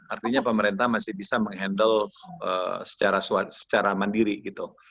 artinya pemerintah masih bisa menghandle secara mandiri gitu